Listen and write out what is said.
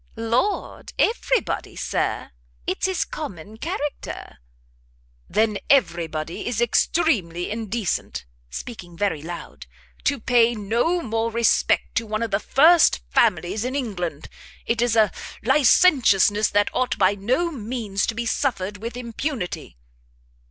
"Lord, every body, Sir! it's his common character." "Then every body is extremely indecent," speaking very loud, "to pay no more respect to one of the first families in England. It is a licentiousness that ought by no means to be suffered with impunity."